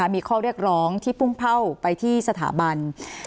มีข้อเรียกร้องที่พุ่งเผ่าไปที่สถาบัน